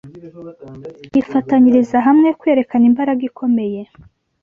bifatanyiriza hamwe kwerekana imbaraga ikomeye.